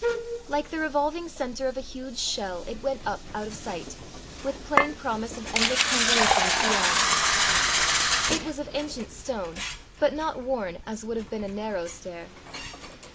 Like the revolving centre of a huge shell, it went up out of sight, with plain promise of endless convolutions beyond. It was of ancient stone, but not worn as would have been a narrow stair.